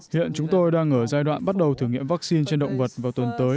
hiện chúng tôi đang ở giai đoạn bắt đầu thử nghiệm vaccine trên động vật vào tuần tới